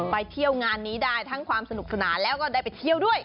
ไปเที่ยวงานนี้ได้ทั้งความสนุกสนานแล้วก็ได้ไปเที่ยวด้วย